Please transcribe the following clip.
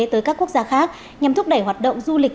tới các quốc gia khác nhằm thúc đẩy hoạt động du lịch